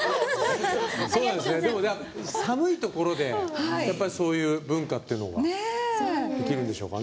寒いところで、やっぱりそういう文化っていうのができるんでしょうかね。